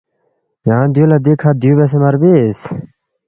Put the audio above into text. ینگ دیُو لہ دِکھہ دیُو بیاسے مہ ربِس